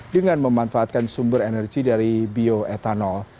dengan memanfaatkan sumber energi dari bioetanol